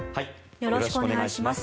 よろしくお願いします。